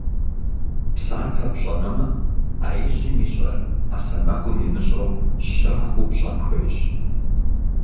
Псапэ пщӏэнумэ, ӏэ ижьым ищӏэр ӏэ сэмэгум имыщӏэу, щэхуу пщӏэн хуейщ.